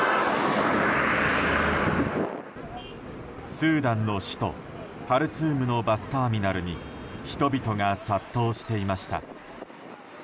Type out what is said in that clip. スーダンの首都ハルツームのバスターミナルに人々が殺到していました。